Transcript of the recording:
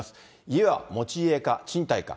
家は持ち家か、賃貸か。